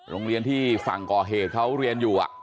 โรงเรียนที่ฝั่งก่อเหตุเขาเรียนอยู่